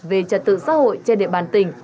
về trật tự xã hội trên địa bàn tỉnh